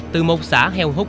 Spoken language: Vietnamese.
từ một xã heo hốt